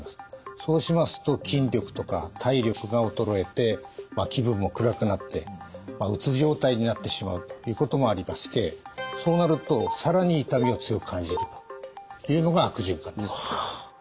そうしますと筋力とか体力が衰えて気分も暗くなってうつ状態になってしまうということもありましてそうなると更に痛みを強く感じるというのが悪循環です。